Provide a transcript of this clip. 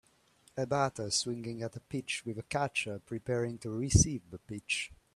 A batter swinging at a pitch with a catcher preparing to receive the pitch.